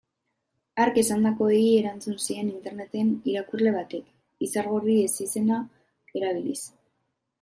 Hark esandakoei erantzun zien interneten irakurle batek, Izargorri ezizena erabiliz.